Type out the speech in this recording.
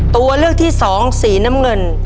สีสองสีน้ำเงิน